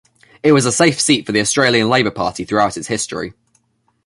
It was a safe seat for the Australian Labor Party throughout its history.